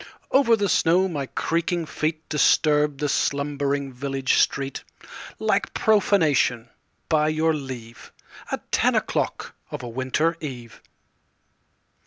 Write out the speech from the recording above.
Over the snow my creaking feet Disturbed the slumbering village street Like profanation, by your leave, At ten o'clock of a winter eve.